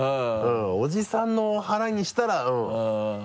おじさんの腹にしたら。